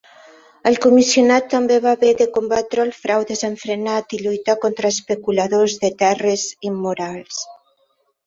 El comissionat també va haver de combatre el frau desenfrenat i lluitar contra especuladors de terres immorals.